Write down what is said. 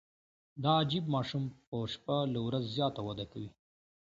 دا عجیب ماشوم په شپه له ورځ زیاته وده کوي.